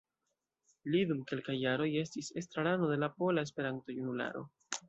Li dum kelkaj jaroj estis estrarano de la Pola Esperanto-Junularo.